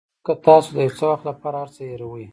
ځکه تاسو د یو څه وخت لپاره هر څه هیروئ.